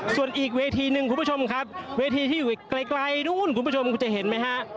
ส่วนอีกเวทีหนึ่งคุณผู้ชมครับเวทีที่อยู่ไกลนู้นคุณผู้ชมคุณจะเห็นไหมฮะ